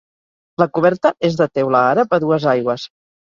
La coberta és de teula àrab, a dues aigües.